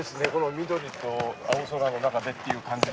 緑と青空の中でという感じが。